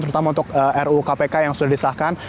terutama untuk ru kpk yang sudah disahkan